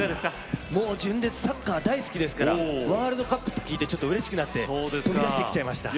もう純烈サッカー大好きですからワールドカップと聞いてちょっとうれしくなって飛び出してきちゃいました。